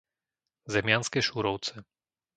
Zemianske Šúrovce